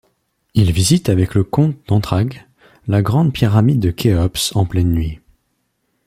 Il visite avec le comte d'Antragues la grande pyramide de Khéops en pleine nuit.